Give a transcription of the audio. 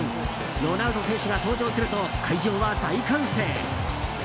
ロナウド選手が登場すると会場は大歓声。